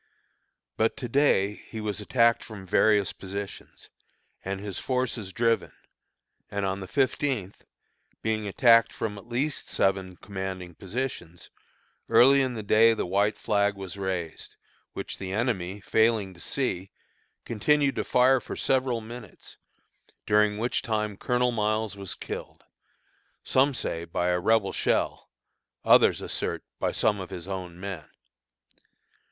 But to day he was attacked from various positions, and his forces driven; and on the fifteenth, being attacked from at least seven commanding positions, early in the day the white flag was raised, which the enemy failing to see, continued to fire for several minutes, during which time Colonel Miles was killed, some say by a Rebel shell, others assert by some of his own men.